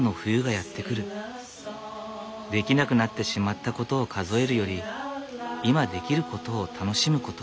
できなくなってしまったことを数えるより今できることを楽しむこと。